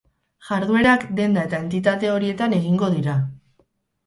Jarduerak denda eta entitate horietan egingo dira.